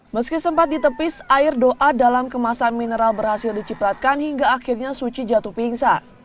meski sempat ditepis air doa dalam kemasan mineral berhasil dicipratkan hingga akhirnya suci jatuh pingsan